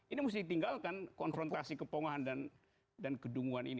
ini mesti ditinggalkan konfrontasi kepongahan dan kedunguan ini